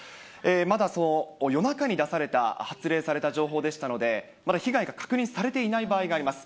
まだ夜中に出された、発令された情報でしたので、まだ被害が確認されていない場合があります。